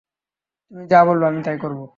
তুমি যা বলবে আমি তাই করব।